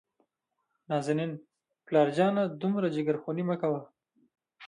نازنين : پلار جانه دومره جګرخوني مه کوه.